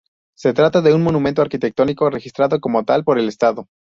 Se trata de un monumento arquitectónico registrado como tal por el estado.